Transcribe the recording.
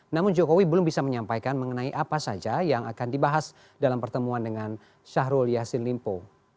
namun jokowi belum bisa menyampaikan mengenai apa saja yang akan dibahas dalam pertemuan dengan syahrul yassin limpo